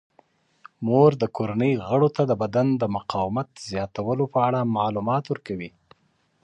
مور د کورنۍ غړو ته د بدن د مقاومت زیاتولو په اړه معلومات ورکوي.